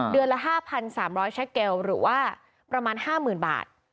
เดือนละ๕๓๐๐แชคเกลหรือว่าประมาณ๕๐๐๐บาท